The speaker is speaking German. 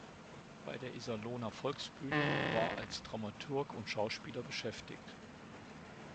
Bei der Iserlohner Volksbühne war als Dramaturg und Schauspieler beschäftigt.